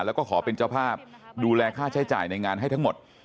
แล้วก็ขอเป็นเจ้าภาพดูแลค่าใช้จ่ายในงานให้ทั้งหมด